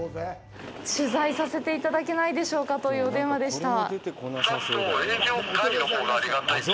取材させていただけないでしょうかというお電話でした。